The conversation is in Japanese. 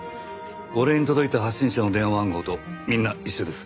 俺に届いた発信者の電話番号とみんな一緒です。